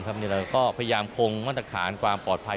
นี่เราก็พยายามคงมาตรฐานความปลอดภัย